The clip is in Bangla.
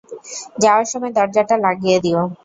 যাওয়ার সময় দরজাটা লাগিয়ে দিও।